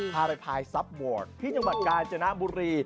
พาไปพายซับวอร์ดที่จังหวัดกาลจนามบุรี